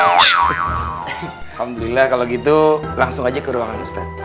alhamdulillah kalau gitu langsung aja ke ruangan ustaz